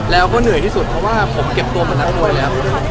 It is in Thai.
แล้วก็เหนื่อยที่สุดเพราะว่าผมเก็บตัวเป็นนักมวยเลยครับ